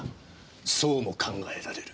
そうも考えられる。